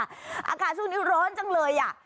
อากาศช่วงนี้ร้อนจังเลย